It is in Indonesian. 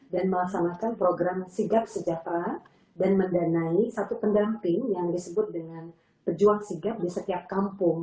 dan melaksanakan program sigap sejahtera dan mendanai satu pendamping yang disebut dengan pejuang sigap di setiap kampung